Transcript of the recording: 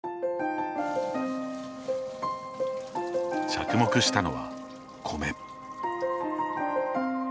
着目したのは米。